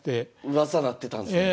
うわさなってたんですね。